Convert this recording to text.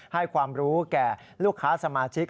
ให้ความรู้แก่ลูกค้าสมาชิก